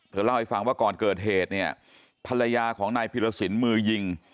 เล่าให้ฟังว่าก่อนเกิดเหตุเนี่ยภรรยาของนายพิรสินมือยิง